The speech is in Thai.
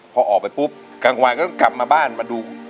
พอออกไปปุ๊บกลางกว่าก็ต้องกลับมาบ้านมาดูคุณพ่อคุณแม่อีก